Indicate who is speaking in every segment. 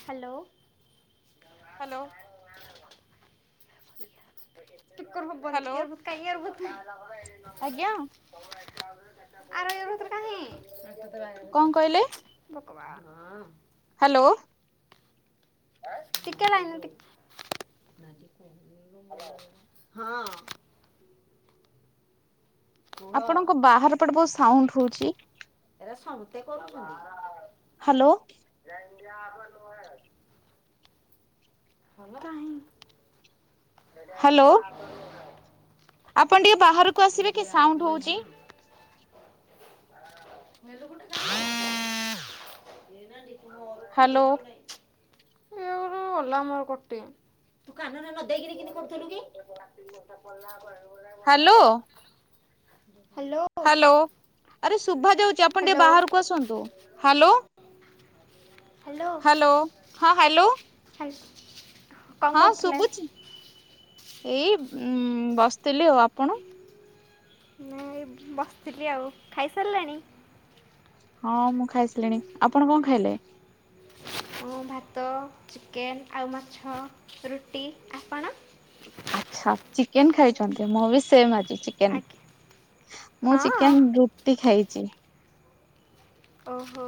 Speaker 1: Hello.
Speaker 2: Hello.
Speaker 1: କି କର ହବନି
Speaker 2: ହ୍ୟାଲୋ।
Speaker 1: ଇଆଡୁ କାଇଁ ଇଆଡକୁ।
Speaker 2: ଆଜ୍ଞା
Speaker 1: [unintelligible] ଆରେ ଇଆ ଭିତ୍ରେ କାହିଁ?
Speaker 2: କଣ କହିଲେ?
Speaker 1: ବୋକବା ହଁ।
Speaker 2: ହ୍ୟାଲୋ।
Speaker 1: ଟିକେ ଲାଇନ ଟିକ୍ ହଁ। କୁହ
Speaker 2: ଆପଣଙ୍କ ବାହାର ପଟେ ବହୁ ସାଉଣ୍ଡ ହଉଛି।
Speaker 1: ଏରା ସମତେ କରୁଛନ୍ତି।
Speaker 2: ହ୍ୟାଲୋ।
Speaker 1: ଜେଣ୍ଡି ଆପ ନୁହେଁ। ଭଲ ନାହିଁ
Speaker 2: ହ୍ୟାଲୋ
Speaker 1: ଜେଣ୍ଡି ଆପ [unintelligible]
Speaker 2: ଆପଣ ଟିକେ ବାହାରକୁ ଆସିବେ କି
Speaker 1: ଆପ୍
Speaker 2: ସାଉଣ୍ଡ ହଉଛି।
Speaker 1: ହିଁ ନେଲୁ ଗୁଟେ ନଲାଟି
Speaker 2: ହ୍ୟାଲୋ
Speaker 1: [unintelligible] [unintelligible] ମୋର କଟି। ତୁ କାନରେ ନଗେଇକିରି କେମିତି କରୁଥିଲୁ କି।
Speaker 2: ହ୍ୟାଲୋ। ହ୍ୟାଲୋ, ଆରେ ଶୁଭା ଯାଉଛି, ଆପଣ ଟିକେ
Speaker 1: ହ୍ୟାଲୋ
Speaker 2: ବାହାରକୁ ଆସନ୍ତୁ, ହ୍ୟାଲୋ। ହ୍ୟାଲୋ ହଁ ହ୍ୟାଲୋ।
Speaker 1: ହାଲ୍।
Speaker 2: ହଁ ଶୁଭୁଛି ଏଇ ଉ ବସିଥିଲି ଆଉ ଆପଣ?
Speaker 1: ନେ ଇ ବସିଥିଲି ଆଉ, ଖାଇସାରିଲେଣି?
Speaker 2: ହଁ ମୁଁ ଖାଇସିଲିଣି ଆପଣ କଣ ଖାଇଲେ?
Speaker 1: ମୁଁ ଭାତ, ଚିକେନ୍, ଆଉ ମାଛ, ରୁଟି ଆପଣ?
Speaker 2: ଆଚ୍ଛା, ଚିକେନ ଖାଇଛନ୍ତି, ମୁଁ ବି ସେମ ଆଜି ଚିକେନ।
Speaker 1: ଆଜ୍ଞା
Speaker 2: ମୁଁ
Speaker 1: ହଁ
Speaker 2: ଚିକେନ ରୁଟି ଖାଇଛି।
Speaker 1: ଓହୋ।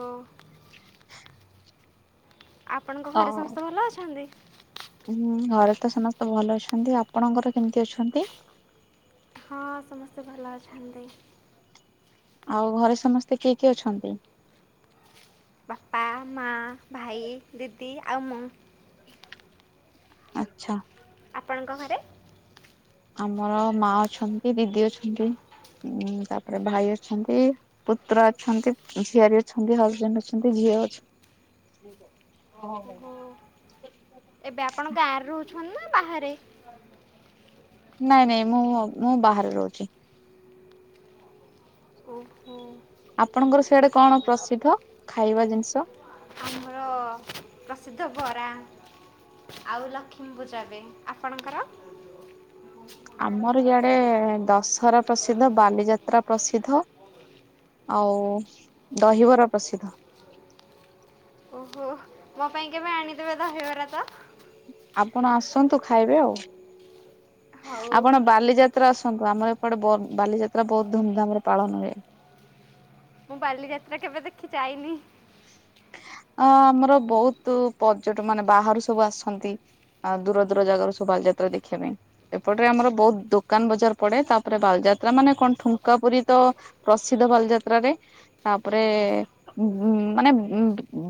Speaker 1: ଆପଣଙ୍କ
Speaker 2: ଅ
Speaker 1: ଘରେ ସମସ୍ତେ ଭଲ ଅଛନ୍ତି।
Speaker 2: ହୁଁ ଘରେ ତ ସମସ୍ତେ ଭଲ ଅଛନ୍ତି, ଆପଣଙ୍କର କେମିତି ଅଛନ୍ତି?
Speaker 1: ହଁ ସମସ୍ତେ ଭଲ ଅଛନ୍ତି।
Speaker 2: ଆଉ ଘରେ ସମସ୍ତେ କିଏ କିଏ ଅଛନ୍ତି?
Speaker 1: ବାପା, ମା, ଭାଇ, ଦିଦି ଆଉ ମୁଁ।
Speaker 2: ଆଚ୍ଛା।
Speaker 1: ଆପଣଙ୍କ ଘରେ?
Speaker 2: ଆମର ମା ଅଛନ୍ତି, ଦିଦି ଅଛନ୍ତି, ତାପରେ ଭାଇ ଅଛନ୍ତି। ପୁତ୍ରା ଅଛନ୍ତି, ଝିଆରୀ ଅଛନ୍ତି, ହଜବେଣ୍ଡ ଅଛନ୍ତି, ଝିଅ ଅଛି।
Speaker 1: [inaudible]
Speaker 2: ଓ ହୋ ହୋ।
Speaker 1: ଓହୋ ଏବେ ଆପଣ ଗାଁରେ ରହୁଛନ୍ତି ନା ବାହାରେ?
Speaker 2: ନାଇଁ ନାଇଁ ମୁଁ ମୁଁ ବାହାରେ ରହୁଛି।
Speaker 1: ଓହୋ।
Speaker 2: ଆପଣଙ୍କର ସେଆଡେ କଣ ପ୍ରସିଦ୍ଧ ଖାଇବା ଜିନିଷ।
Speaker 1: ଆମର ପ୍ରସିଦ୍ଧ ବରା। ଆଉ ଲକ୍ଷ୍ମୀ ପୂଜାବେ ଆପଣଙ୍କର।
Speaker 2: ଆମର ଜଆଡେ ଦଶହରା ପ୍ରସିଦ୍ଧ ବାଲିଯାତ୍ରା ପ୍ରସିଦ୍ଧ। ଆଉ ଦହିବରା ପ୍ରସିଦ୍ଧ।
Speaker 1: ଓହୋ ମୋ ପାଇଁ କେବେ ଆଣିଦେବେ ଧହିବରା ତ।
Speaker 2: ଆପଣ ଆସନ୍ତୁ ଖାଇବେ ଆଉ
Speaker 1: ହଉ
Speaker 2: ଆପଣ ବାଲିଯା ଯାତ୍ରା ଆସନ୍ତୁ ଆମର ଏପଟେ ବାଲିଯାତ୍ରା ବହୁତ ଧୁମଧାମରେ ପାଳନ ହୁଏ।
Speaker 1: ମୁଁ ବାଲିଯାତ୍ରା କେବେ ଦେଖି ଯାଇନି।
Speaker 2: ଅ ଆମର ବହୁତ ପର୍ଯ୍ୟଟ ମାନେ ବାହାରୁ ସବୁ ଆସନ୍ତି। ଆ ଦୂର ଦୂର ଜାଗାରୁ ସବୁ ବାଲିଯାତ୍ରା ଦେଖିବା ପାଇଁ। ଏପଟରେ ଆମର ବହୁତ ଦୋକାନ ବଜାର ପଡେ ତାପରେ ବାଲଯାତ୍ରା ମାନେ କଣ ଠୁଙ୍କା ପୁରୀ ତ। ପ୍ରସିଦ୍ଧ ବାଲିଯାତ୍ରାରେ ତାପରେ ହୁଁ ମାନେ।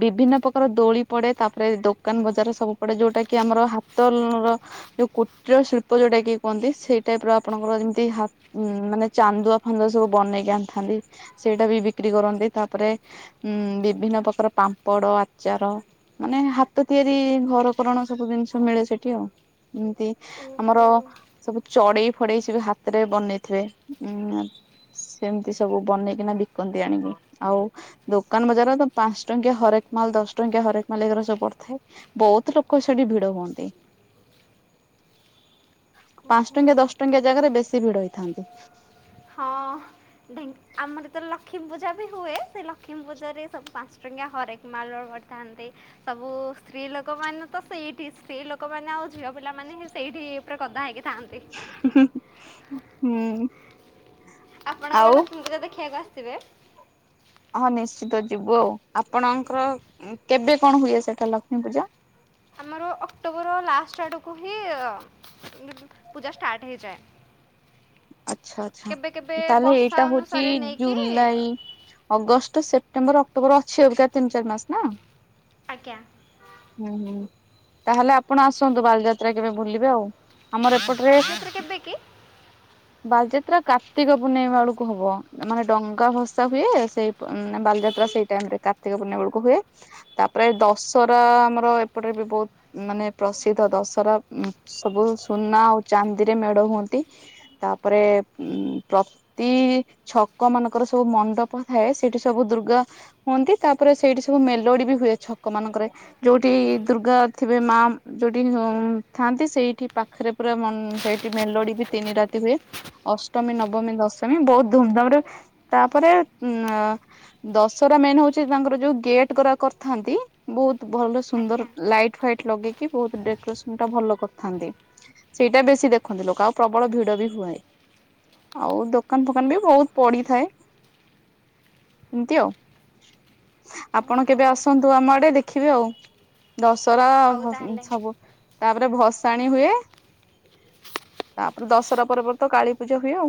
Speaker 2: ବିଭିନ୍ନ ପ୍ରକାର ଦୋଳି ପଡେ ତାପରେ ଦୋକାନ ବଜାର ସବୁ ପଡେ ଯୋଉଟା କି ଆମର ହାତଲ ର। ଯୋଉ କୁଟୀଳ ଶିଳ୍ପ ଯୋଉଟା କି କୁହନ୍ତି ସେଇ ଟାଇପ ର ଆପଣଙ୍କର ଯେମିତି ହା ଉଁ ମାନେ ଚାନ୍ଦୁଆ ଫାନ୍ଦୁଆ ସବୁ ବନେଇକି ଆଣିଥାନ୍ତି ସେଇଟା ବି ବିକ୍ରି କରନ୍ତି ତାପରେ ହୁଁ ବିଭିନ୍ନ ପ୍ରକାର। ପାମ୍ପଡ ଆଚାର ମାନେ ହାତ ତିଆରି ଘରକରଣ ସବୁ ଜିନିଷ ମିଳେ ସେଠି ଆଉ। ଏମତି
Speaker 1: ଓହୋ
Speaker 2: ଆମର। ସବୁ ଚଢେଇ ଫଡେଇ ସବୁ ହାତରେ ବନେଇଥିବେ ଉଁ। ସେମିତି ସବୁ ବନେଇକିନା ବିକନ୍ତି ଆଣିକି ଆଉ ଦୋକାନ ବଜାର ତ ପା ଞ୍ଚ ଟଙ୍କିଆ ହରେକ ମାଲ ଦଶ ଟଙ୍କିଆ ହରେକ ମାଲ ଏଗୁଡ଼ା ସବୁ ପଡିଥାଏ ବହୁତ ଲୋକ ସେଠି ଭିଡ ହୁଅନ୍ତି।
Speaker 1: [unintelligible]
Speaker 2: ପାଞ୍ଚ
Speaker 1: ଓହୋ
Speaker 2: ଟଙ୍କିଆ ଦଶ ଟଙ୍କିଆ ଜାଗାରେ ବେଶୀ ଭିଡ ହେଇଥାନ୍ତି।
Speaker 1: ହଁ। ଢେଙ୍କ ଆମର ତ ଲକ୍ଷ୍ମୀପୂଜା ବି ହୁଏ ସେ ଲକ୍ଷ୍ମୀ ପୂଜାରେ ସବୁ ପାଞ୍ଚ ଟଙ୍କିଆ ହରେକ ମାଲର ଥାନ୍ତି। ସବୁ ସ୍ତ୍ରୀ ଲୋକ ମାନେ ତ ସେଇଠି ସ୍ତ୍ରୀ ଲୋକମାନେ ଆଉ ଝିଅ ପିଲାମାନେ ହିଁ ସେଇଠି। ଉପରେ ଗଦା ହେଇକିଥାନ୍ତି।
Speaker 2: ହିଁ-ହିଁ ହୁଁ।
Speaker 1: ଆପଣଙ୍କ କେବେ
Speaker 2: ଆଉ
Speaker 1: ଲକ୍ଷ୍ମୀ ପୂଜା ଦେଖିବାକୁ ଆସିବେ।
Speaker 2: ହଁ ନିଶ୍ଚିତ ଯିବୁ ଆଉ ଆପଣଙ୍କର କେବେ କଣ ହୁଏ ସେଟା ଲକ୍ଷ୍ମୀ ପୂଜା?
Speaker 1: ଆମର ଅକ୍ଟୋବର ଲାଷ୍ଟ ଆଡ଼କୁ ହିଁ ପୂଜା ଷ୍ଟାର୍ଟ ହେଇଯାଏ।
Speaker 2: ଆଚ୍ଛା ଆଚ୍ଛା
Speaker 1: କେବେ କେବେ
Speaker 2: ତାହେଲେ
Speaker 1: ବର୍ଷା
Speaker 2: ଏଇଟା ହଉଛି
Speaker 1: ଅନୁସାରେ ନେଇକି
Speaker 2: ଜୁଲାଇ। ଅଗଷ୍ଟ ସେପ୍ଟେମ୍ବର ଅକ୍ଟୋବର ଅଛି ହରିକା ତିନି ଚାରି ମାସ ନା।
Speaker 1: ଆଜ୍ଞା।
Speaker 2: ହୁଁ ହୁଁ ତାହେଲେ ଆପଣ ଆସନ୍ତୁ ବାଲିଯାତ୍ରା କେବେ ଭୁଲିବେ ଆଉ। ଆମର ଏପଟରେ
Speaker 1: ବାଲିଯାତ୍ରା କେବେକି?
Speaker 2: ବାଲିଯାତ୍ରା କାର୍ତ୍ତିକ ପୂର୍ଣ୍ଣିମା ବେଳକୁ ହବ ମାନେ ଡଙ୍ଗା ଭସା ହୁଏ ସେଇ ମାନେ ବାଲିଯାତ୍ରା ସେଇ ଟାଇମ ରେ କାର୍ତିକ ପୂର୍ଣମ ବେଳକୁ ହୁଏ। ତାପରେ ଦଶହରା ଆମର ଏପଟେ ବି ବହୁତ ମାନେ ପ୍ରସିଦ୍ଧ ଦଶହରା ସବୁ ସୁନା ଆଉ ଚାନ୍ଦିରେ ମେଢ ହୁଅନ୍ତି। ତାପରେ ଉଁ ପ୍ରତ ତି ଛକ ମାନଙ୍କର ସବୁ ମଣ୍ଡପ ଥାଏ ସେଠି ସବୁ ଦୁର୍ଗା ହୁଅନ୍ତି। ତାପରେ ସେଇଠି ସବୁ ମେଲୋଡି ବି ହୁଏ ଛକ ମାନଙ୍କରେ। ଯୋଉଠି ଦୁର୍ଗା ଥିବେ ମାମ୍ ଯୋଉଠି ମୁଁ ଥାନ୍ତି ସେଇଠି ପାଖରେ ପୁରା ଉଁ ସେଇଠି ମେଲୋଡି ବି ତିନି ରାତି ହୁଏ। ଅଷ୍ଟମୀ, ନବମୀ, ଦଶମୀ ବହୁତ ଧୁମଧାମ ରେ ତାପରେ ଉଁ ଦଶହରା ମେନ୍ ହଉଛି ତାଙ୍କର ଯୋଉ ଗେଟ୍ ଗୁରା କରିଥାନ୍ତି, ବହୁତ ଭଲସେ ସୁନ୍ଦର
Speaker 1: ଆଜ୍ଞା
Speaker 2: ଲାଇଟ୍ ଫାଇଟ ଲଗେଇ ବହୁତ ଡେକୋରେସନ ଟା ଭଲ କରିଥାନ୍ତି। ସେଇଟା ବେଶୀ ଦେଖନ୍ତି ଲୋକ ଆଉ ପ୍ରବଳ ଭିଡ଼ ଡ଼ ବି ହୁଏ। ଆଉ ଦୋକାନ ଫୋକାନ ବି ବହୁତ ପଡିଥାଏ। ଏମିତି ଆଉ। ଆପଣ
Speaker 1: ଓହୋ
Speaker 2: କେବେ ଆସନ୍ତୁ ଆମ ଆଡେ ଦେଖିବେ ଆଉ। ଦଶହରା
Speaker 1: ହଉ ତାହେଲେ
Speaker 2: ସବୁ ତାପରେ ଭସାଣୀ ହୁଏ। ତାପରେ ଦଶହରା ପରେ ପରେ ତ କାଳୀ ପୂଜା ହୁଏ ଆଉ।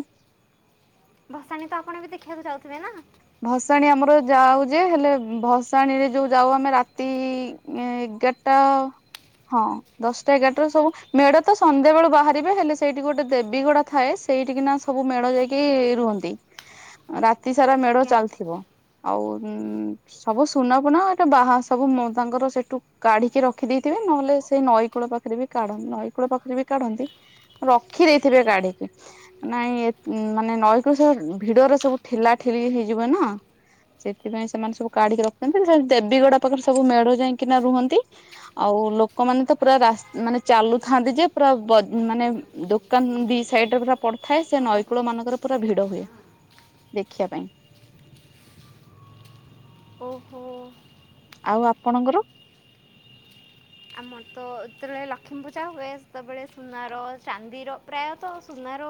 Speaker 1: ଭସାଣୀ ତ ଆପଣ ବି ଦେଖିବାକୁ ଯାଉଥିବେ ନା?
Speaker 2: ଭସାଣୀ ଆମର ଯାଉ ଯେ ହେଲେ ଭସାଣୀରେ ଯୋଉ ଯାଉ ଆମେ ରାତି ଉଁ ଏଗାରଟା ହଁ। ଦଶଟା ଏଗାରଟାରୁ ସବୁ ମେଢ ତ ସନ୍ଧ୍ୟା ବେଳୁ ବାହାରିବେ। ହେଲେ ସେଇଠି ଗୋଟେ ଦେବୀଗଡା ଥାଏ ସେ ସେଇଠିକିନା ସବୁ ମେଢ ଯାଇକି ରୁହନ୍ତି। ରାତି ସାରା ମେଢ
Speaker 1: ଆଜ୍ଞା
Speaker 2: ଚାଲିଥିବ। ଆଉ ଉଁ ସବୁ ସୁନା ଫୁନା ଏଟା ଡାହା ସବୁ ମ ତାଙ୍କର ସେଠୁ କାଢିକି ରଖିଦେଇଥିବେ। ନହେଲେ ସେଇ ନଈକୂଳ ପାଖରେ ବି କାଢ, ନଈକୂଳ ପାଖରେ ବି କାଢନ୍ତି ରଖି ଦେଇେଇଥିବେ କାଢିକି। ନାଇଁ ଏ ମାନେ ନଈକୂରୁ ସବୁ ଭିଡରେ ସବୁ ଠେଲା ଠେଲି ହେଇଯିବ ନା। ସେଥିପାଇଁ ସେମାନେ ସବୁ କାଢିକି ରଖନ୍ତି। ସେ ଦେବୀଗଡା ପାଖରେ ସବୁ ମେଢ ଯାଇକିନା ରୁହନ୍ତି। ଆଉ ଲୋକମାନେ ତ ପୁରା ରାସ୍ତ ମାନେ ଚାଲୁଥାନ୍ତି ଯେ ପୁରା ବ ମାନେ ଦୋକ କାନ ଦି ସାଇଡରେ ପୁରା ପଡୁଥାଏ। ସେ
Speaker 1: ଭୋଗ କରୁ।
Speaker 2: ନଈକୂଳ ମାନଙ୍କରେ ପୁରା ଭିଡ ହୁଏ ଦେଖିବା ପାଇଁ।
Speaker 1: ଓହୋ।
Speaker 2: ଆଉ ଆପଣଙ୍କର?
Speaker 1: ଆମର ତ ଯେତେବେଳେ ଲକ୍ଷ୍ମୀ ପୂଜା ହୁଏ ସେତେବେଳେ ସୁନାର, ଚାନ୍ଦିର ପ୍ରାୟତଃ ସୁନାର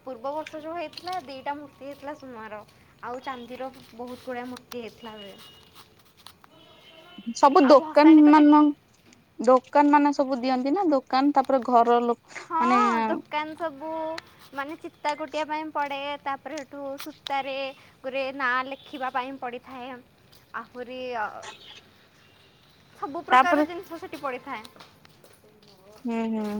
Speaker 1: ଆ ପୂର୍ବ ବର୍ଷ ଯୋଉ ହେଇଥିଲା ଦିଟା ମୂର୍ତ୍ତି ହେଇଥିଲା ସୁନାର। ଆଉ ଚାନ୍ଦିର ବହୁତ ଗୁଡାଏ ମୂର୍ତ୍ତି ହେଇଥିଲା ବେ।
Speaker 2: ସବୁ
Speaker 1: ଆଉ ଭସାଣି ତ
Speaker 2: ଦୋକାନ
Speaker 1: ଦେଖି
Speaker 2: ମାନ ଦୋକାନ ମାନ ସବୁ ଦିଅନ୍ତି ନା। ଦୋକାନ ତାପରେ ଘର ଲୋକ ମାନେ
Speaker 1: ହଁ ଦୋକାନ ସବୁ ମାନେ ଚିତା କୁଟିବା ପାଇଁ ପଡ଼େ। ତାପରେ ସେଠୁ ସୂତାରେ ତାପରେ ନାଁ ଲେଖିବା ପାଇଁ ପଡ଼ିଥାଏ। ଆହୁରି ଆ
Speaker 2: [inaudible]
Speaker 1: ସବୁ
Speaker 2: ତାପରେ
Speaker 1: ପ୍ରକାରର ଜିନିଷ ସେଠି ପଡିଥାଏ।
Speaker 2: ହୁଁ ହୁଁ।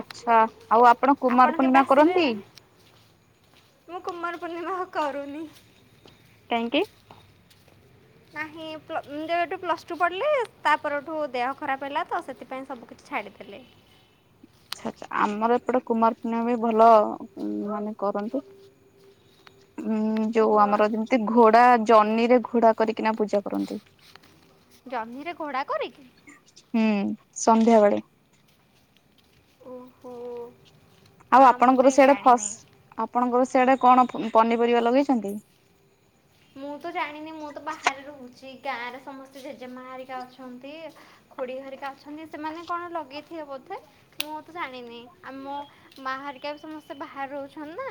Speaker 2: ଆଚ୍ଛା। ଆଉ ଆପଣ କୁମାର
Speaker 1: କେବେ
Speaker 2: ପୂର୍ଣ୍ଣିମା
Speaker 1: ଆସିବେ
Speaker 2: କରନ୍ତି?
Speaker 1: ମୁଁ କମାାରପୂର୍ଣ୍ଣିମା ଆଉ କରୁନି।
Speaker 2: କାହିଁକି?
Speaker 1: ନାହିଁ ପ୍ଳ ଯେବେଠୁ ପ୍ଲସ୍ ଟୁ ପଢ଼ିଲି ତାପରଠୁ ଦେହ ଖରାପ ହେଲା ତ, ସେଥିପାଇଁ ସବୁ କିିଛି ଛାଡିଦେଲି।
Speaker 2: ଆଚ୍ଛା, ଆଚ୍ଛା। ଆମର ଏପଟେ କୁମାର ପୂର୍ଣ୍ଣିମା ବି ଭଲ ମାନେ କରନ୍ତୁ।
Speaker 1: [inaudible]
Speaker 2: ଉଁ ଯୋଉ
Speaker 1: ଓହୋ
Speaker 2: ଆମର ଯେମିତି ଘୋଡା ଜହ୍ନି ରେ ଘୋଡା କରିକିନା ପୂଜା କରନ୍ତି।
Speaker 1: ଜହ୍ନିରେ ଘୋଡ଼ା କରିକି
Speaker 2: ହୁଁ ସନ୍ଧ୍ୟାବେଳେ
Speaker 1: ଓ ହୋ
Speaker 2: ଆଉ ଆପଣଙ୍କର ସେଆଡେ ଫ ଆପଣଙ୍କର ସେଆଡେ କଣ ପନିପରିବା ଲଗେଇଛନ୍ତି?
Speaker 1: ମୁଁ ତ ଜାଣିନି ମୁଁ ତ ବାହାରେ ରହୁଛି ଗାଁରେ ସମସ୍ତେ ଜେଜେମା ହେରିକା ଅଛନ୍ତି ଖୁଡି ହେରିକା ଅଛନ୍ତି ସେମାନେ କଣ ଲଗେଇଥିବେ ବୋଧେ ମୁଁ ତ ଜାଣିନି ଆମ ମା ହେରିକା ବି ସମସ୍ତେ ବାହାରେ ରହୁଛନ୍ତି ନା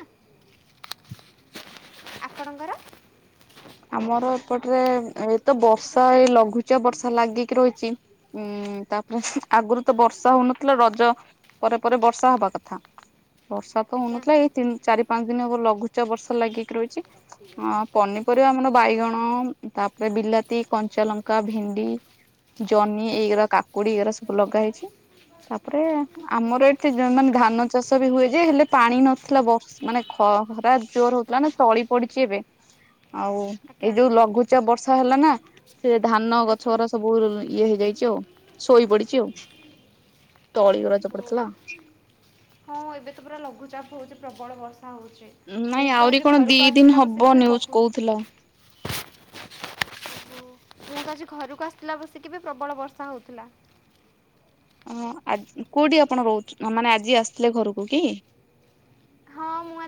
Speaker 1: ଆପଣଙ୍କର?
Speaker 2: ଆମର ଏପଟରେ ଏଇତ ବର୍ଷା ଏ ଲଘୁଚାପ ବର୍ଷା ଲାଗିକି ରହିଛି ଉୁଁ ତାପରେ ଆଗରୁ ତ ବର୍ଷା ହଉନଥିଲା ରଜ ପରେ ପରେ ବର୍ଷା ହବା କଥା ବର୍ଷା ତ
Speaker 1: ଆଜ୍ଞା
Speaker 2: ହଉନଥିଲା ଏଇ ତିନି ଚାରି ପାଞ୍ଚ ଦିନ ହବ ଲଘୁଚାପ ବର୍ଷା ଲାଗିକି ରହିଛି ପନିପର ପରିବା ଆମର ବାଇଗଣ ତାପରେ ବିଲାତି କଞ୍ଚା ଲଙ୍କା ଭେଣ୍ଡି ଜହ୍ନି ଏଇଗୁଡ଼ା କାକୁଡି ଏଇଗୁଡା ସବୁ ଲଗା ହେଇଛି ତାପରେ ଆମର ଏଠି ମାନେ ଧାନ ଚାଷ ବି ହୁଏ ଯେ ହେଲେ ପାଣି ନଥିଲା ବ ମାନେ ଖ ଖରା ଜୋର୍ ହଉଥିଲା ନା ତଳି ପଡିଛି ଏବେ ଆଉ
Speaker 1: ଆଜ୍ଞା
Speaker 2: ଏଇ ଯୋଉ ଲଘୁଚ ଚାପ ବର୍ଷା ହେଲା ନା ସେ ଧାନ ଗଛ
Speaker 1: ଆଜ୍ଞା
Speaker 2: ଗୁଡ଼ା ସବୁ ଇଏ ହେଇଯାଇଛି ଆଉ ଶୋଇ ପଡିଛି ଆଉ ତଳିଗୁଡ଼ା ଯୋଉ ପଡିଥିଲା
Speaker 1: ଓହୋ ହଁ ଏବେ ତ ପୁରା ଲଘୁଚାପ ହଉଛି ପ୍ରବଳ ବର୍ଷା ହଉଛି ମୁଁ
Speaker 2: ନାଇଁ
Speaker 1: ତ
Speaker 2: ଆହୁରି
Speaker 1: ଆଜି
Speaker 2: କଣ ଦି
Speaker 1: ଘରକୁ
Speaker 2: ଦିନ
Speaker 1: ଆସିଥିଲା
Speaker 2: ହବ
Speaker 1: ବସିକି ବି
Speaker 2: ନ୍ୟୁଜ
Speaker 1: ବହୁତ
Speaker 2: କହୁଥିଲା।
Speaker 1: ମୁଁ ତ ଆଜି ଘରକୁ ଆସିିଲା ବସିକି ବି ପ୍ରବଳ ବର୍ଷା ହଉଥିଲା- -
Speaker 2: ହଁ ଆଜି ଓ କୋଉଠି ଆପଣ ରହୁ ମାନେ ଆଜି ଆସିଥିଲେ ଘରକୁ କି
Speaker 1: ହଁ ମୁଁ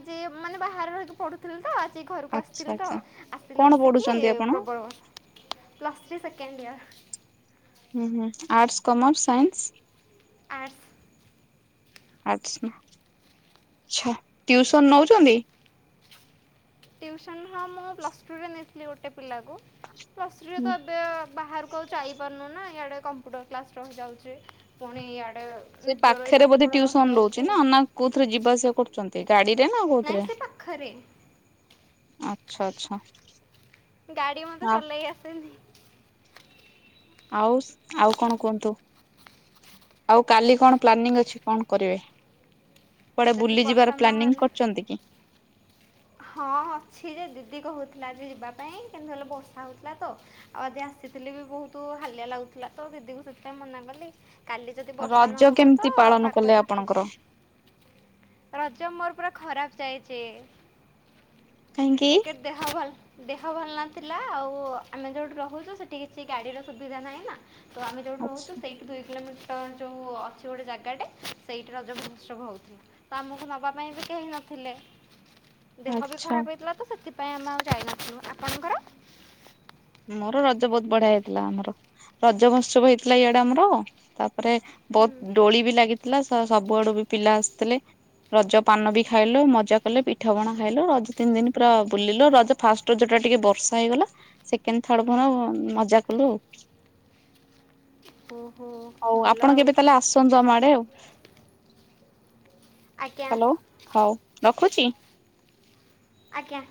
Speaker 1: ମାନେ ବାହାରୁ [unintelligible] ଥିଲୁ ତ ଆଜି ଘରକୁ
Speaker 2: ଆଚ୍ଛା
Speaker 1: ଆସିଥିଲି ତ
Speaker 2: ଆଚ୍ଛା
Speaker 1: ଆସିଲା
Speaker 2: କଣ
Speaker 1: ବସିକି
Speaker 2: ପଢୁଛନ୍ତି ଆପଣ?
Speaker 1: ପ୍ରବଳ ବର୍ଷା ପ୍ଲସ୍ ଥ୍ରୀ ସେକେଣ୍ଡ ଇୟର
Speaker 2: ହୁଁ ହୁଁ ଆର୍ଟ୍ସ୍ କମର୍ସ ସାଇନ୍ସ
Speaker 1: ଆର୍ଟସ୍
Speaker 2: ଆଛା ଆଛା ଟ୍ୟୁସନ ନେଉଛନ୍ତି
Speaker 1: ଟିଉସନ୍ ହଁ ମୁଁ ପ୍ଲସ୍ ଟୁରେ ନେଇଥିଲି ଗୋଟେ ପିଲାକୁ ପ୍ଲସ୍ ର୍ଥିରେ
Speaker 2: ହୁଁ
Speaker 1: ତ ଏବେ ବାହାରକୁ କୁ ଆଉ ଯାଇପାରୁନୁ ନା ଇଆଡ଼େ କମ୍ପ୍ୟୁଟର କ୍ଲାସ୍ ରହିଯାଉଛି ପୁଣି ଇଆଡ଼େ
Speaker 2: ସେ
Speaker 1: ନିଜର ଏଇ
Speaker 2: ପାଖରେ
Speaker 1: ପାଠ
Speaker 2: ବୋଧେ
Speaker 1: ପଢ଼ା
Speaker 2: ଟିୁୟୁସନ ରହୁଛି
Speaker 1: ରହିଯାଉଛି
Speaker 2: ନା ନା କୋଉଥିରେ ଯିବା ଆସିବା କରୁଛନ୍ତି ଗାଡି ରେ ନା କୋଉଥିରେ?
Speaker 1: ରେ [unintelligible]
Speaker 2: ଆଚ୍ଛା ଆଚ୍ଛା
Speaker 1: ଗାଡି ମତେ
Speaker 2: ଆଉ
Speaker 1: ଚଲେଇ ଆସେନି
Speaker 2: ଆଉ ଆଉ କଣ କୁହନ୍ତୁ? ଆଉ କାଲି କଣ ପ୍ଲାନିଂ ଅଛି କଣ କରିବେ? କୁଆଡେ
Speaker 1: ଯଦି ବର୍ଷା
Speaker 2: ବୁଲିଯିବାର ପ୍ଲାନିଂ
Speaker 1: ନହେଲା
Speaker 2: କରୁଛନ୍ତି କି?
Speaker 1: ହଁ ଅଛି ଯେ ଦିଦି କହୁଥିଲା ଯେ ଯିବା ପାଇଁ କିନ୍ତୁ ହେଲେ ବର୍ଷା ହଉଥିଲା ତ ଆଉ ଆଜି ଆସିଥିଲି ବି ବହୁତ ହାଲିଆ ଲାଗୁଥିଲା ତ ଦିଦି କ ସେଥିପାଇଁ ମନା କଲି କାଲି ଯଦି ବର୍ଷା
Speaker 2: ରଜ
Speaker 1: ନହେବ ତ
Speaker 2: କେମିତି ପାଳନ କଲେ
Speaker 1: ପାଗ ଦେଖିକି
Speaker 2: ଆପଣଙ୍କର?
Speaker 1: ଯିବି ରଜ ମୋର ପୁରା ଖରାପ ଯାଇଛି
Speaker 2: କାହିଁକି?
Speaker 1: ଦେହାବଲ [unintelligible] ଦେହ ଭଲ ନଥିଲା ଆଉ ଆମେ ଯୋଉଠି ରହୁଛୁ ସେଠି କିଛି ଗାଡିର ସୁବିଧା ନାହିଁ ନା ତ ଆମେ ଯୋଉଠି ରୁହୁଛୁ
Speaker 2: ଆଚ୍ଛା
Speaker 1: ସେଇ ଦୁଇ କିଲୋମିଟର ଯୋଉ ଅଛି ଗୋଟେ ଜାଗାଟେ ସେଇଠି ରଜ ମହୋତ୍ସବ ହେଉଛି ତ ଆମକୁ ନେବା ପାଇଁ ବି କେହି ନଥିଲେ। ଦେହ ବି
Speaker 2: ଆଚ୍ଛା
Speaker 1: ଖରାପ ହେଇଥିଲା ତ ସେଥିପାଇଁ ଆମେ ଆଉ ଯାଇନଥିଲୁ। ଆପଣଙ୍କର?
Speaker 2: ମୋର ରଜ ବହୁତ ବଢିଆ ହେଇଥିଲା ଆମର। ରଜ ମହୋତ୍ସବ ହେଇଥିଲା ଇଆଡେ ଆମର। ତା ପ ପରେ ବହୁତ
Speaker 1: ହୁଁ
Speaker 2: ଡୋଳି ବି ଲାଗିଥିଲା। ସବୁଆଡୁ ବି ପିଲା ଆସିଥିଲେ। ରଜ ପାନ ବି ଖାଇଲୁ ମଜା କଲେ ପିଠା ପଣା ଖାଇଲୁ ରଜ ତିନି ଦିନ ପୁରା ବୁଲିଲୁ ରଜ ଫାଷ୍ଟ। ରଜ ଟା ଟିକେ ବର୍ଷା ହେଇଗଲା। କେମତି ଥଡ ଫର ମଜା କଲୁ ଆଉ।
Speaker 1: ଓହୋ।
Speaker 2: ହଉ
Speaker 1: ଭଲ
Speaker 2: ଆପଣ
Speaker 1: ଆଉ
Speaker 2: କେବେ ତାହେଲେ ଆସନ୍ତୁ ଆମ ଆଡେ ଆଉ।
Speaker 1: ଆଜ୍ଞା
Speaker 2: ହ୍ୟାଲୋ। ହଉ ରଖୁଛି।
Speaker 1: ଆଜ୍ଞା।